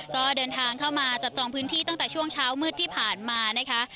ก็เดินทางเข้ามาจับจองพื้นที่ตั้งแต่ช่วงเช้ามืดที่ผ่านมานะคะ